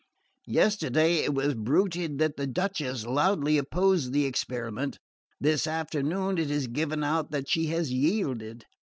Yesterday it was bruited that the Duchess loudly opposed the experiment; this afternoon it is given out that she has yielded.